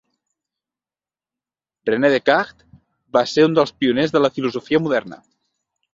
René Descartes va ser un dels pioners de la filosofia moderna.